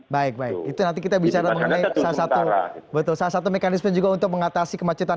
baik baik itu nanti kita bicara mengenai salah satu mekanisme juga untuk mengatasi kemacetan